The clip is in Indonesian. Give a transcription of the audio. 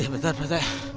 ya betul pak rt